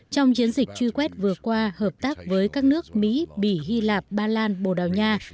trong chiến dịch truy quét vừa qua hợp tác với các nước mỹ bỉ hy lạp ba lan bồ đào nha